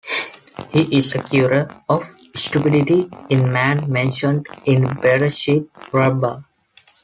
He is a curer of stupidity in man, mentioned in "Bereshith Rabba".